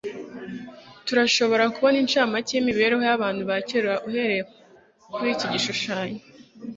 Turashobora kubona incamake yimibereho yabantu ba kera uhereye kuriki gishushanyo